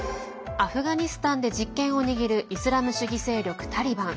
アフガニスタンで実権を握るイスラム主義勢力タリバン。